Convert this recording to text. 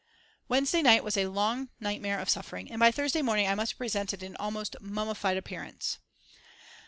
Wednesday night was a long nightmare of suffering, and by Thursday morning I must have presented an almost mummified appearance.